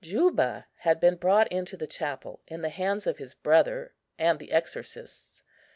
Juba had been brought into the chapel in the hands of his brother and the exorcists.